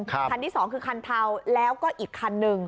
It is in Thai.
คันที่สองคือคันเทาแล้วก็อีกคันหนึ่ง